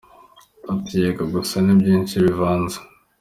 Ati “ yego gusa ni byinshi bivanze “.